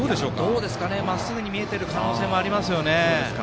まっすぐに見えている可能性もありますよね。